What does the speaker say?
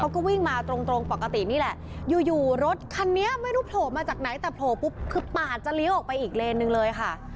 เขาก็วิ่งมาตรงตรงปกตินี่แหละอยู่อยู่รถคันนี้ไม่รู้โผล่มาจากไหนแต่โผล่ปุ๊บคือปาดจะเลี้ยวออกไปอีกเลนนึงเลยค่ะ